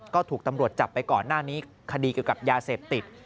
ก็ถูกตำรวจจับไปก่อนหน้านี้คดีเกี่ยวกับยาเสพติด